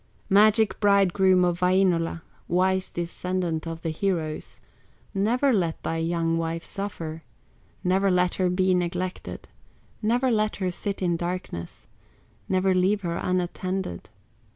"Magic bridegroom of Wainola, Wise descendant of the heroes, Never let thy young wife suffer, Never let her be neglected, Never let her sit in darkness, Never leave her unattended.